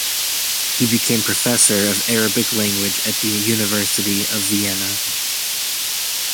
He became professor of Arabic language at the University of Vienna.